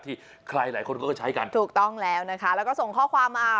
ที่ใครหลายคนก็ใช้กันถูกต้องแล้วนะคะแล้วก็ส่งข้อความมา